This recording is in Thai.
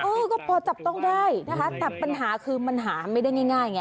เออก็พอจับต้องได้นะคะแต่ปัญหาคือมันหาไม่ได้ง่ายไง